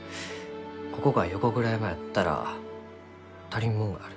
ここが横倉山やったら足りんもんがある。